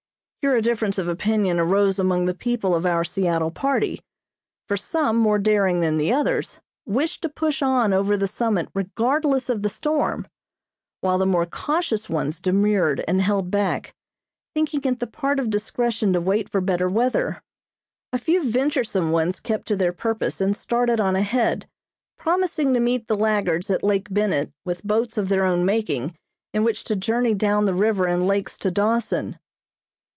Here a difference of opinion arose among the people of our Seattle party, for some, more daring than the others, wished to push on over the summit regardless of the storm; while the more cautious ones demurred and held back, thinking it the part of discretion to wait for better weather. A few venturesome ones kept to their purpose and started on ahead, promising to meet the laggards at Lake Bennett with boats of their own making in which to journey down the river and lakes to Dawson.